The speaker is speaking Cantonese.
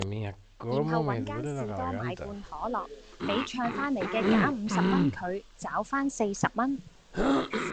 然後搵間士多買罐可樂，比唱翻黎既假五十蚊佢，找番四十蚊